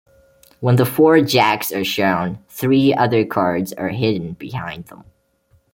When the four Jacks are shown, three other cards are hidden behind them.